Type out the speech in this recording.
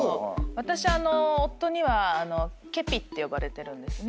私夫にはケピって呼ばれてるんですね。